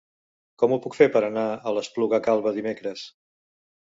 Com ho puc fer per anar a l'Espluga Calba dimecres?